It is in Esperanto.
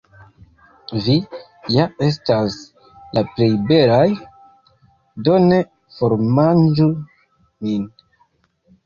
Vi ja estas la plej belaj, do ne formanĝu min.